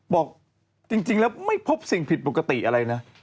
บอกจริงแล้วไม่พบสิ่งผิดปกติอะไรนะ